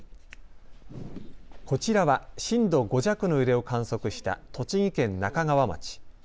こちらは震度５弱の揺れを観測した栃木県那珂川町。